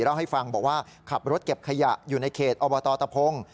เล่าให้ฟังบอกว่าขับรถเก็บขยะอยู่ในเขตอบตตะพง